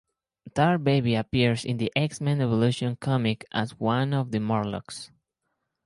Tar Baby appears in the "X-Men Evolution" comic as one of the Morlocks.